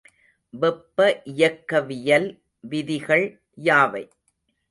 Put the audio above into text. வெப்ப இயக்கவியல் விதிகள் யாவை?